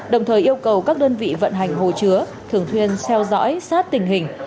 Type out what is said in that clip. đồng thời yêu cầu các đơn vị vận hành hồ chứa thường thuyên xeo dõi sát tình hình